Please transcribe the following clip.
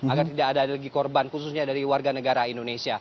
agar tidak ada lagi korban khususnya dari warga negara indonesia